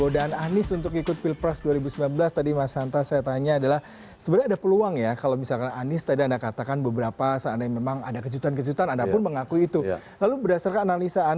dan itu akan menentukan